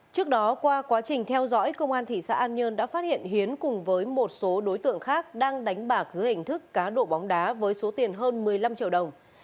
trước đó qua quá trình theo dõi công an thị xã an nhơn đã phát hiện hiến cùng với một số đối tượng khác đang đánh bạc dưới hình thức cá độ bóng đá với số tiền hơn một mươi năm triệu đồng